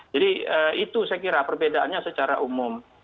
jadi itu saya kira perbedaannya secara umum